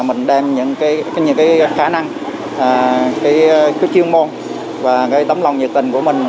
mình đem những cái khả năng cái chuyên môn và cái tấm lòng nhiệt tình của mình